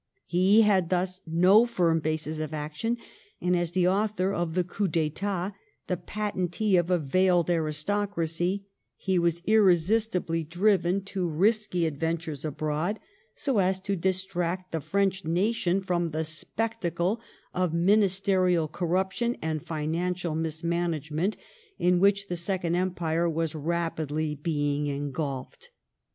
He had thus no firm basis of action ; and, as the author of the coup dHHat, the patentee of a veiled autocracy, he was irresistibly driven to risky adventures abroad, so as to distract the French nation from the spectacle of ministerial cor ruption and financial mismanagement, in which the Second Empire was rapidly being engulfed.